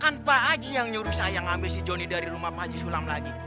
kan pak haji yang nyuruh saya ngambil si jonny dari rumah pak haji sulam lagi